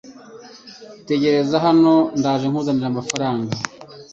Tegereza hano ndaje nkuzanire amafaranga .